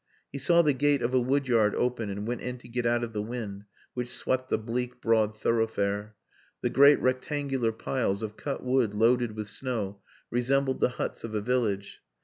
He saw the gate of a woodyard open and went in to get out of the wind which swept the bleak broad thoroughfare. The great rectangular piles of cut wood loaded with snow resembled the huts of a village.